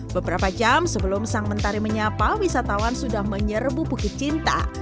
beberapa jam sebelum sang mentari menyapa wisatawan sudah menyerbu bukit cinta